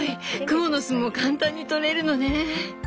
クモの巣も簡単に取れるのね。